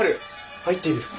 入っていいですか？